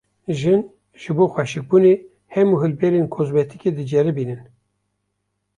Jin, ji bo xweşikbûnê hemû hilberên kozmetîkê diceribînin